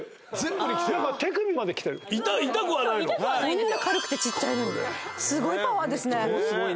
こんな軽くてちっちゃいのにすごいパワーですね。